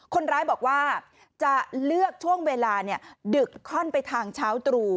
คนร้ายบอกว่าจะเลือกช่วงเวลาดึกค่อนไปทางเช้าตรู่